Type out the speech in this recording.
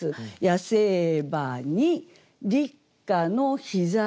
「野生馬に立夏の日差し」